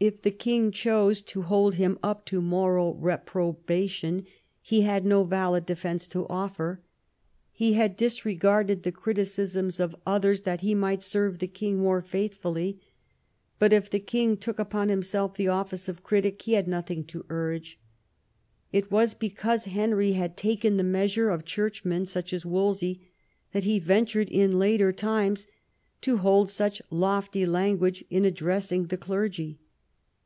If the king chose to hold him up to moral reprobation he had no valid defence to offer. He had disregarded the criticisms of others that he might serve the king more faithfully ; but if the king took upon himself the office of critic he had nothing to urge. It was because Henry had taken the measure of churchmen such as Wolsey that he ventured in later times to hold such lofty lan guage in addressing the clergy.